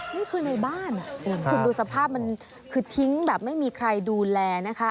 นี่คือในบ้านคุณดูสภาพมันคือทิ้งแบบไม่มีใครดูแลนะคะ